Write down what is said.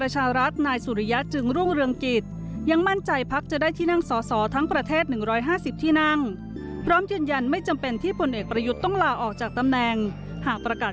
จะเป็นกรรมการได้ยังไง